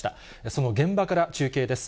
その現場から中継です。